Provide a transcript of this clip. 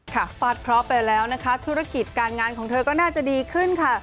ฟาดเคราะห์ไปแล้วนะคะธุรกิจการงานของเธอก็น่าจะดีขึ้นค่ะ